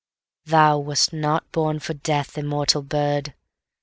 7.Thou wast not born for death, immortal Bird!